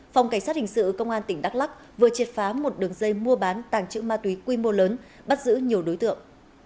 phòng cảnh sát hình sự công an tỉnh đắk lắc vừa triệt phá một đường dây mua bán tàng trữ ma túy quy mô lớn bắt giữ nhiều đối tượng